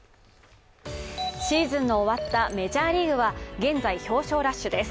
シーズンの終わったメジャーリーグは現在表彰ラッシュです。